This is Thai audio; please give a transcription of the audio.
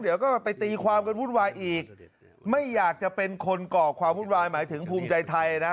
เดี๋ยวก็ไปตีความกันวุ่นวายอีกไม่อยากจะเป็นคนก่อความวุ่นวายหมายถึงภูมิใจไทยนะ